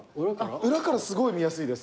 裏からすごい見やすいです。